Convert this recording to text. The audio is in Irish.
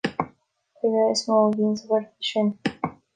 Caora is mó a bhíonn sa ghort sin.